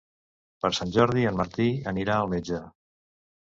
Per Sant Jordi en Martí anirà al metge.